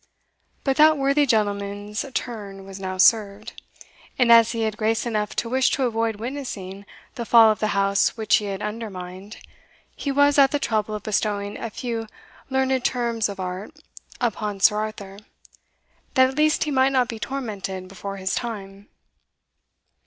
But that worthy gentleman's turn was now served; and as he had grace enough to wish to avoid witnessing the fall of the house which he had undermined, he was at the trouble of bestowing a few learned terms of art upon Sir Arthur, that at least he might not be tormented before his time.